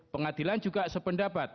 pengadilan juga sependapat